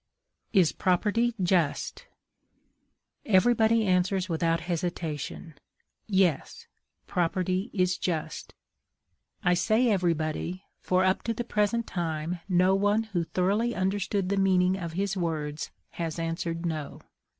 Is property just? Everybody answers without hesitation, "Yes, property is just." I say everybody, for up to the present time no one who thoroughly understood the meaning of his words has answered no.